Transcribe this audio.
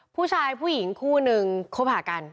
ผู้ชายผู้หญิงคู่นึงคบหากัน